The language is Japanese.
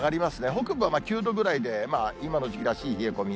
北部は９度ぐらいで今の時期らしい冷え込み。